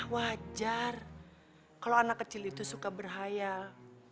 wajar kalau anak kecil itu suka berhayal